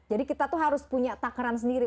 jadi kita tuh harus punya takeran sendiri